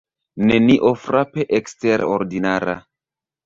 Nenio frape eksterordinara.